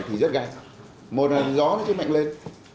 thì rất gây một là gió sẽ mạnh lên